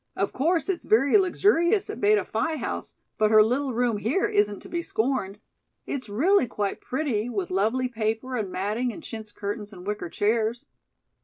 Of course, it's very luxurious at Beta Phi House, but her little room here isn't to be scorned. It's really quite pretty, with lovely paper and matting and chintz curtains and wicker chairs."